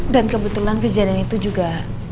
kebetulan kejadian itu juga